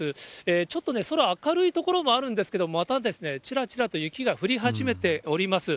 ちょっとね、空明るい所もあるんですけど、また、ちらちらと雪が降り始めております。